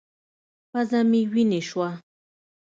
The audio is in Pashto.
پزه مې وينې سوه.